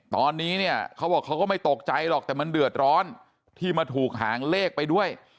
ตอนนี้เนี่ยเขาบอกเขาก็ไม่ตกใจหรอกแต่มันเดือดร้อนที่มาถูกหางเลขไปด้วย